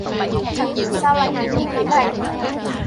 Chẳng hiểu sao lại bị như thế này